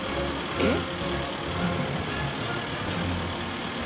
えっ？